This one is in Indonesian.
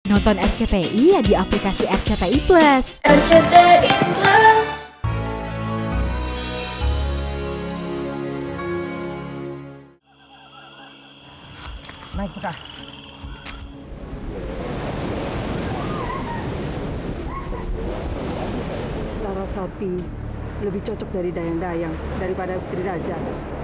nonton rcti ya di aplikasi rcti plus